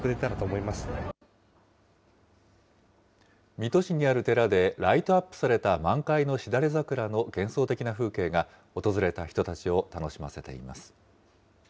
水戸市にある寺で、ライトアップされた満開のしだれ桜の幻想的な風景が、訪れた人たちを楽しませています。